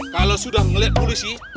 kalo sudah ngeliat polisi